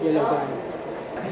về lào cai